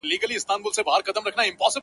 o په يوه څاپېړه د سلو مخ خوږېږي٫